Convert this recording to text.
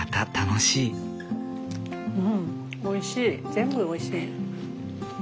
うんおいしい全部おいしい。